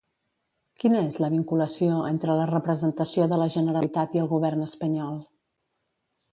Quina és la vinculació entre la representació de la Generalitat i el govern espanyol?